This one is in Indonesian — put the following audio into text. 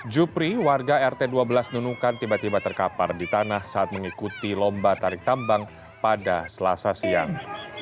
jupri warga rt dua belas nunukan tiba tiba terkapar di tanah saat mengikuti lomba tarik tambang pada selasa siang